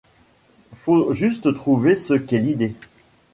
Faut juste trouver ce qu'est l'idée.